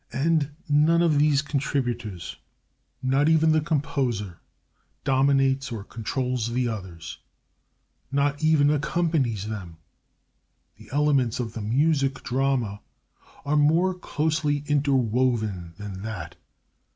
And none of these contributors, not even the composer, dominates or controls the others not even accompanies them. The elements of the Music Drama are more closely interwoven than that.